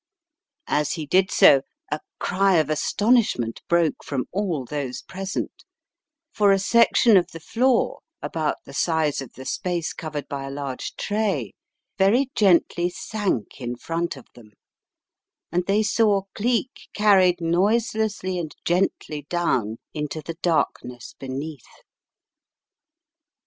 As he did so a cry of astonishment broke from all those present, for a section of the floor, about the size of the space covered by a large tray, very gently sank in front of them, and they saw Cleek carried noiselessly and gently down into the darkness be neath.